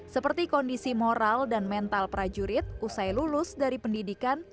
seperti kondisi moral dan mental prajurit usai lulus dari pendidikan